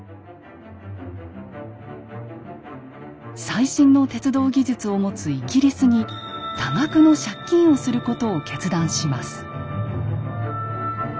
最新の鉄道技術を持つイギリスに多額の借金をすることを決断します。